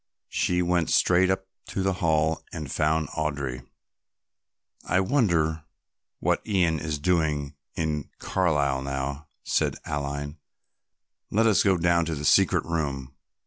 She went straight up to the Hall and found Audry. "I wonder what Ian is doing in Carlisle now," said Aline. "Let us go down to the secret room.